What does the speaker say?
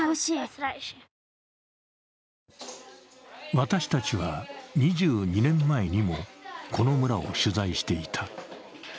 私たちは２２年前にもこの村を取材していた。